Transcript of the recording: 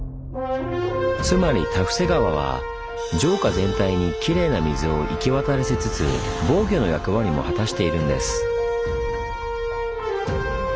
つまり多布施川は城下全体にきれいな水を行き渡らせつつ防御の役割も果たしているんです。